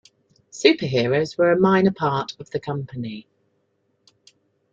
Superheroes were a minor part of the company.